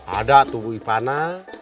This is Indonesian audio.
ada tuh bu ipana